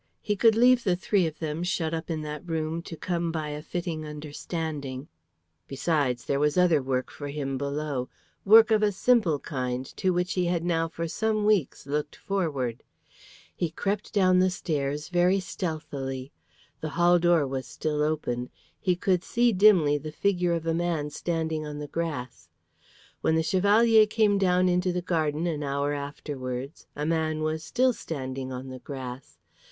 He could leave the three of them shut up in that room to come by a fitting understanding. Besides, there was other work for him below, work of a simple kind, to which he had now for some weeks looked forward. He crept down the stairs very stealthily. The hall door was still open. He could see dimly the figure of a man standing on the grass. When the Chevalier came down into the garden an hour afterwards, a man was still standing on the grass.